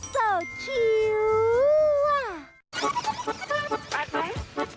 แฟนกันดัน